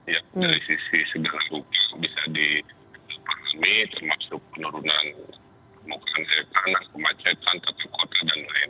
ya dari sisi segala lupa bisa dipakami termasuk penurunan kebukaan air tanah kemacetan tetap di kota dan lain lain